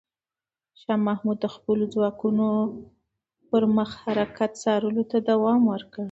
شاه محمود د خپلو ځواکونو پر مخ حرکت څارلو ته دوام ورکړ.